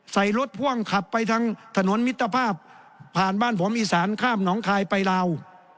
ใส่รถพ่วงขับไปทางถนนมิตรภาพผ่านบ้านผมอีสานข้ามหนองคายไปลาว